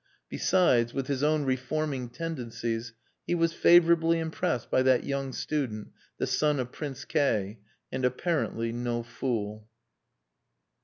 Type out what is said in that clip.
Besides (with his own reforming tendencies) he was favourably impressed by that young student, the son of Prince K , and apparently no fool.